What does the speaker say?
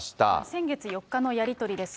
先月４日のやり取りです。